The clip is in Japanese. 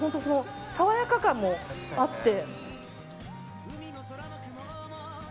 爽やか感もあって。